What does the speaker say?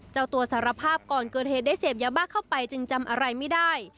เจ้าตัวสารภาพก่อนเกิดเหตุได้เสพยาบ้าเข้าไปจึงจำอะไรไม่ได้